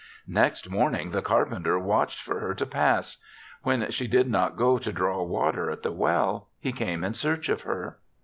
Next morning the carpenter watched for her to pass; when she did not go to draw water at the well, he came in search of her.